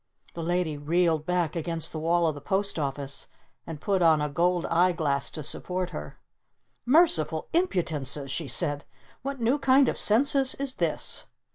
The lady reeled back against the wall of the Post Office. And put on a gold eyeglass to support her. "Merciful Impudences!" she said. "What new kind of census is this?"